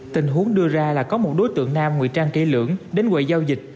tình huống đưa ra là có một đối tượng nam nguy trang kỹ lưỡng đến quầy giao dịch